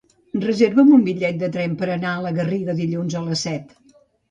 Reserva'm un bitllet de tren per anar a la Garriga dilluns a les set.